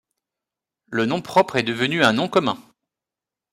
Le nom propre est devenu un nom commun.